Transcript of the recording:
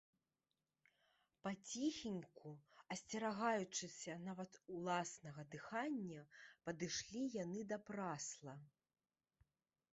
Паціхеньку, асцерагаючыся нават уласнага дыхання, падышлі яны да прасла.